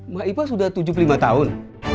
mbak ipa sudah tujuh puluh lima tahun